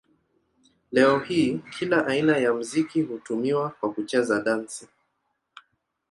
Leo hii kila aina ya muziki hutumiwa kwa kucheza dansi.